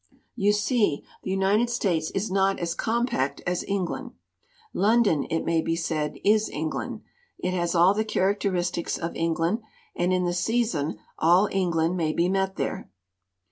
"You see, the United States is not as compact as England. London, it may be said, is England; it has all the characteristics of England, and in the season all England may be met there."